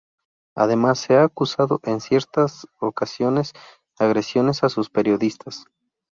Además se ha acusado en cierta ocasiones agresiones a sus periodistas.